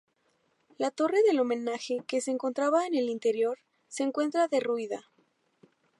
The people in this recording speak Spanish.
La torre del homenaje, que se encontraba en el interior, se encuentra derruida.